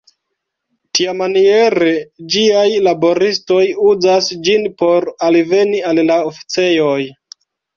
Tiamaniere ĝiaj laboristoj uzas ĝin por alveni al la oficejoj.